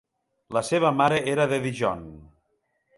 La seva mare era de Dijon.